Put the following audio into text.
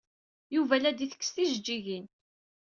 Yuba la d-ittekkes tijejjigin.